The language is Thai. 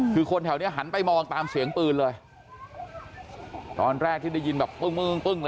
คือคนแถวเนี้ยหันไปมองตามเสียงปืนเลยตอนแรกที่ได้ยินแบบปึ้งปึ้งปึ้งเลย